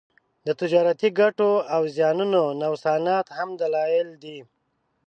د تجارتي ګټو او زیانونو نوسانات هم دلایل دي